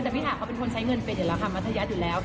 แต่พี่ถาเขาเป็นคนใช้เงินเป็นอยู่แล้วค่ะมัธยัติอยู่แล้ว